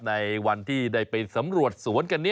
ในวันที่ได้ไปสำรวจสวนกันนี้